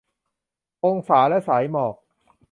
องศาและสายหมอก